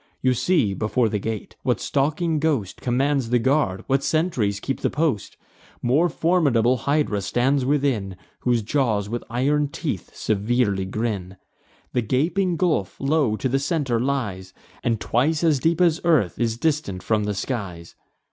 You see, before the gate, what stalking ghost Commands the guard, what sentries keep the post. More formidable Hydra stands within, Whose jaws with iron teeth severely grin. The gaping gulf low to the centre lies, And twice as deep as earth is distant from the skies.